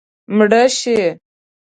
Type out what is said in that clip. مړه شي